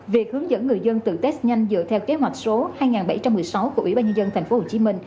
việc hướng dẫn người dân tự test nhanh dựa theo kế hoạch số hai nghìn bảy trăm một mươi sáu của ủy ban nhân dân tp hcm